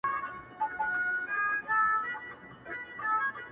كله وي خپه اكثر;